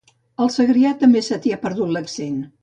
Al Segrià també se t'hi ha perdut l'accent